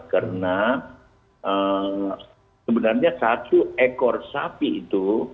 karena sebenarnya satu ekor sapi itu